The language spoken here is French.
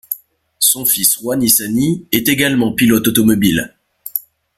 Son fils Roy Nissany est également pilote automobile.